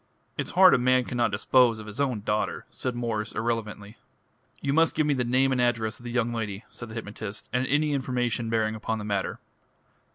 "It's hard a man cannot dispose of his own daughter," said Mwres irrelevantly. "You must give me the name and address of the young lady," said the hypnotist, "and any information bearing upon the matter.